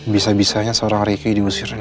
bisa bisanya seorang reiki diusirin